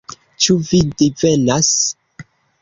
Ĉu vi divenas?